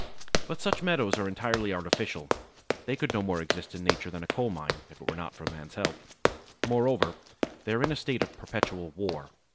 But such meadows are entirely artificial. They could no more exist in nature than a coal mine, if it were not for man's help. Moreover, they are in a state of perpetual war!